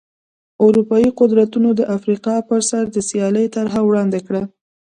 اروپايي قدرتونو د افریقا پر سر د سیالۍ طرحه وړاندې کړه.